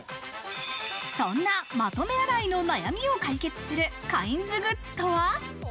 そんなまとめ洗いの悩みを解決するカインズグッズとは？